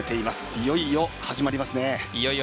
いよいよ始まりますね。